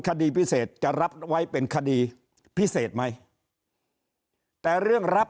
คดีพิเศษจะรับไว้เป็นคดีพิเศษไหมแต่เรื่องรับ